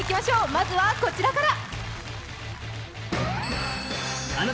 まずはこちらから。